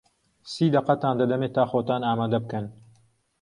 سی دەقەتان دەدەمێ تا خۆتان ئامادە بکەن.